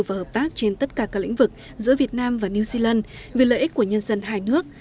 và hợp tác trên tất cả các lĩnh vực giữa việt nam và new zealand vì lợi ích của nhân dân hai nước